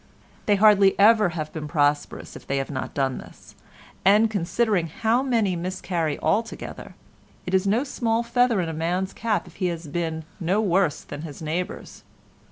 They hardly ever have been prosperous if they have not done this, and, considering how many miscarry altogether, it is no small feather in a man's cap if he has been no worse than his neighbours.